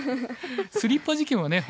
スリッパ事件はね